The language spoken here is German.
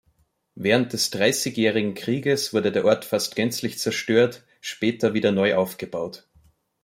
Während des Dreißigjährigen Krieges wurde der Ort fast gänzlich zerstört, später wieder neu aufgebaut.